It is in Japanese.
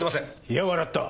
いや笑った。